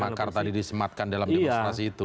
makar tadi disematkan dalam demonstrasi itu